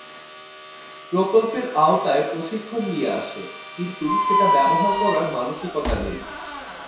প্রকল্পের আওতায় প্রশিক্ষণ নিয়ে আসে, কিন্তু সেটা ব্যবহার করার মানসিকতা নেই।